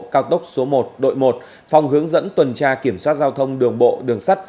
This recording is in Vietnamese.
cao tốc số một đội một phòng hướng dẫn tuần tra kiểm soát giao thông đường bộ đường sắt